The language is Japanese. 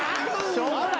しょうもない。